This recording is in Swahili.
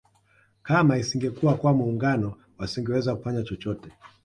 Kama isingekuwa kwa muungano wasingeweza kufanya chochote